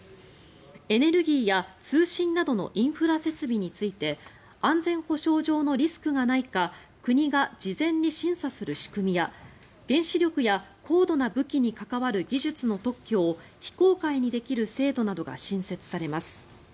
エネルギーや通信などのインフラ設備について安全保障上のリスクがないか国が事前に審査する仕組みや原子力や高度な武器に関わる技術の特許を非公開にできる制度などが新設されます。